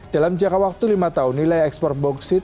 dalam jangka waktu lima tahun nilai ekspor boksit